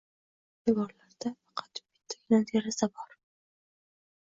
Devorlarda faqat bittagina deraza bor.